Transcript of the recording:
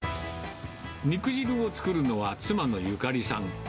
肉じるを作るのは妻のゆかりさん。